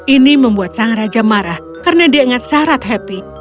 ini membuat sang raja marah karena dia ingat syarat happy